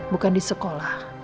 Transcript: bukan di sekolah